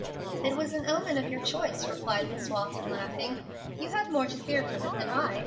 "It was an omen of your choice," replied Miss Walton, laughing. "You have more to fear from it than I.